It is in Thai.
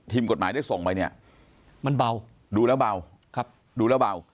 ทีมกฎหมายได้ส่งไปมันเบาดูแล้วเบา